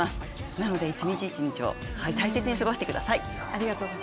なので一日一日を大切に過ごしてください。